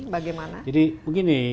memang elektrifikasi rasio ini